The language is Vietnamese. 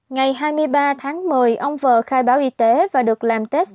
ngày hai mươi ba tháng một mươi ông vờ khai báo y tế và được làm test